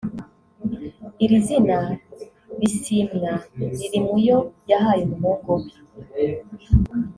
Iri zina “Bisimwa” riri mu yo yahaye umuhungu we